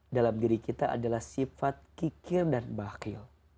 dalam diri kita adalah sifat kikir dan bakhil